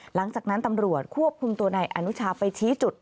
หลังจากนั้นตำรวจควบคุมตัวนายอนุชาไปชี้จุด